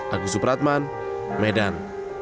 agus supratman medan